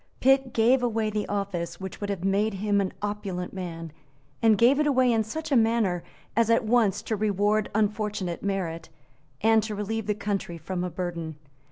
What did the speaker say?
Pitt gave away the office which would have made him an opulent man, and gave it away in such a manner as at once to reward unfortunate merit, and to relieve the country from a burden.